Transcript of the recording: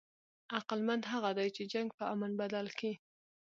عقلمند هغه دئ، چي جنګ په امن بدل کي.